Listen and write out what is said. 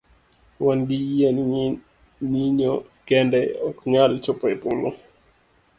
Wan gi yie ni nyinyo kende oknyal chopo epolo .